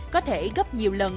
có thể gấp nhiều lần